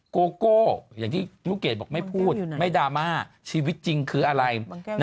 โกโก้อย่างที่ลูกเกดบอกไม่พูดไม่ดราม่าชีวิตจริงคืออะไร